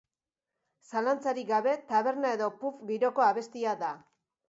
Zalantzarik gabe taberna edo pub giroko abestia da.